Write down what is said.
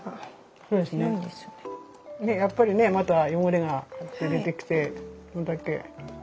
やっぱりねまだ汚れが出てきてこんだけ。